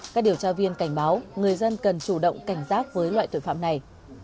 các điều tra viên cảnh báo người dân cần chủ động cảnh giác với loại tội phạm này